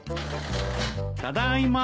ただいま。